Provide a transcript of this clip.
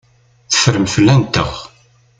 Teffrem fell-anteɣ.